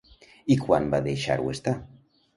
I quan va deixar-ho estar?